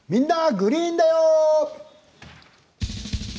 グリーンだよ」。